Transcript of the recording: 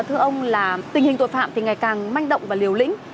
thưa ông là tình hình tội phạm thì ngày càng manh động và liều lĩnh